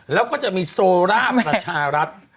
แล้วก็จะมีโซล่าประชารัฐ